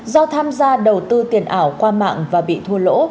do tham gia đầu tư tiền ảo qua mạng và bị thua lỗ